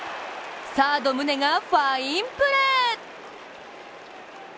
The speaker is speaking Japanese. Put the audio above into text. サード・宗がファインプレー。